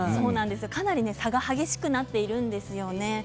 かなり差が激しくなっているんですよね。